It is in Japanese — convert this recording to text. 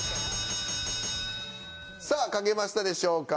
さぁ書けましたでしょうか？